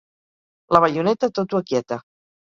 La baioneta tot ho aquieta.